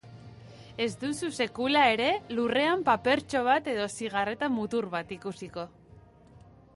Ez duzu sekula ere lurrean papertxo bat edo zigarreta-mutur bat ikusiko.